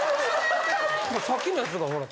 さっきのやつがほら！